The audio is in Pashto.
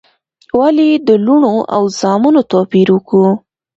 ولي د لوڼو او زامنو توپیر وکو؟